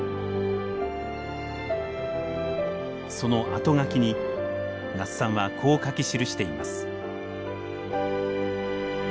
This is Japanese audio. そのあとがきに那須さんはこう書き記しています。